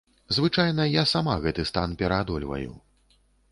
Звычайна я сама гэты стан пераадольваю.